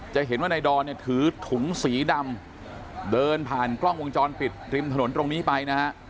จะเห็นว่านายดอนเนี่ยถือถุงสีดำเดินผ่านกล้องวงจรปิดริมถนนตรงนี้ไปนะฮะ